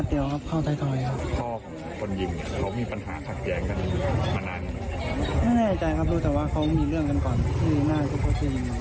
ที่หน้าก็ทำเพื่อเชื่อยิงเขา